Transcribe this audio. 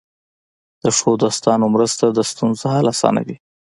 د ښو دوستانو مرسته د ستونزو حل اسانوي.